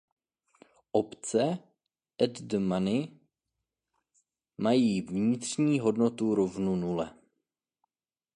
Opce at the money mají vnitřní hodnotu rovnou nule.